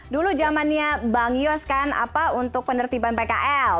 dulu zamannya bang yos kan apa untuk penertiban pkl